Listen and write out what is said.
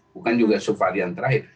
bukan juga subvarian terakhir